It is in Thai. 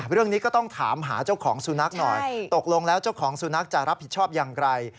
เรื่องนี้ก็ต้องถามหาเจ้าของสุนัขหน่อยตกลงแล้วเจ้าของสุนัขจะรับผิดชอบอย่างไร